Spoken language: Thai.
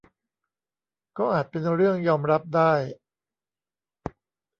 ก็อาจเป็นเรื่องยอมรับได้